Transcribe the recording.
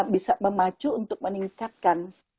bisa memacu untuk meningkatkan